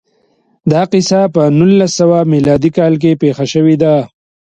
دا کیسه په نولس سوه میلادي کال کې پېښه شوې ده